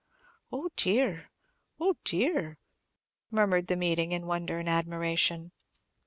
"Oh dear! oh dear!" murmured the meeting, in wonder and admiration.